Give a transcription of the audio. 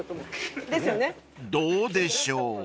［どうでしょう？］